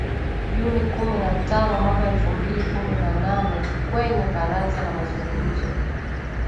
June kumi na tano mwaka elfu mbili kumi na nane kwenye baraza la mazungumzo